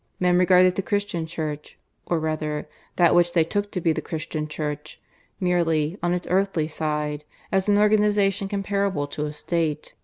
Men regarded the Christian Church or rather, that which they took to be the Christian Church merely, on its earthly side, as an organization comparable to a State.